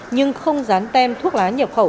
nhưng không dán tem thuốc lá nhập khẩu